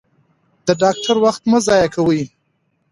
د ډاکټر وخت مه ضایع کوئ.